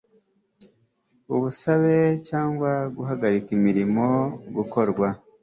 ubusabe cyangwa guhagarika ibirimo gukorwa